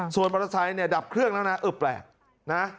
ส่วนมอเตอร์ไซค์เนี่ยดับเครื่องแล้วนะเออแปลกนะ